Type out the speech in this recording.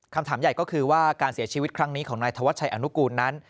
คำถามใหญ่ก็คือว่าการเสียชีวิตครั้งนี้ของนายธวัชชัยอนุกูลนั้น